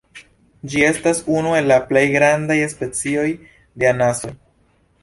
Ĝi estas unu el la plej grandaj specioj de anasoj.